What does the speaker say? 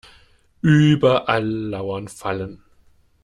Überall lauern Fallen.